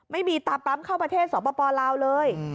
ไม่มีตาปรัมเข้าประเทศสปลาวเลย